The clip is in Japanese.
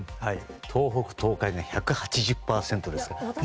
東北、東海が１８０％で。